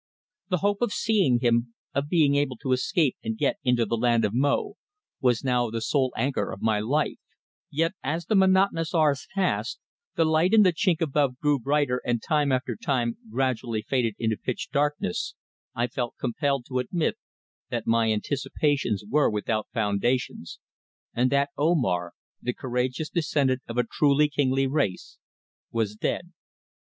The hope of seeing him, of being able to escape and get into the land of Mo, was now the sole anchor of my life, yet as the monotonous hours passed, the light in the chink above grew brighter and time after time gradually faded into pitch darkness, I felt compelled to admit that my anticipations were without foundation, and that Omar, the courageous descendant of a truly kingly race, was dead.